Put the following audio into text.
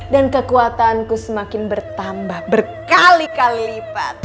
dan kekuatanku semakin bertambah berkali kali lipat